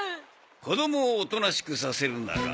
子供をおとなしくさせるなら。